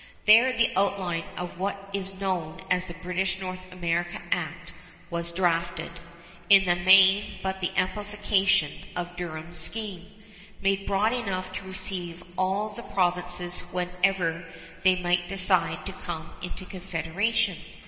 There the outline of what is known as the British North America Act was drafted, in the main but an amplification of Durham's scheme, made broad enough to receive all the provinces whenever they might decide to come into Confederation.